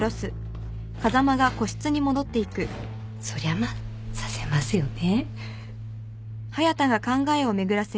そりゃまあ刺せますよね。